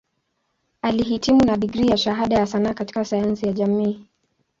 Alihitimu na digrii ya Shahada ya Sanaa katika Sayansi ya Jamii.